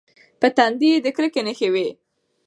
په تندي یې د کرکې نښې وې.